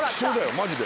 マジで？